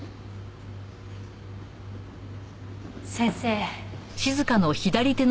先生。